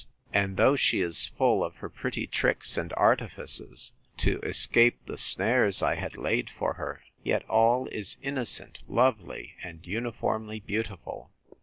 And though she is full of her pretty tricks and artifices, to escape the snares I had laid for her, yet all is innocent, lovely, and uniformly beautiful.